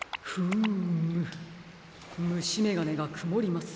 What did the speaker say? むしめがねがくもりますね。